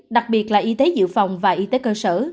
đặc biệt là y tế dự phòng và y tế cơ sở